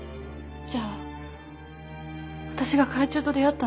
じゃあ私が会長と出会ったのは。